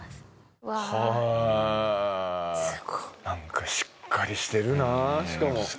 なんかしっかりしてるなしかも。